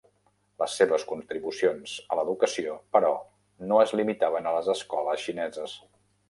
Les seves contribucions a l'educació, però, no es limitaven a les escoles xineses.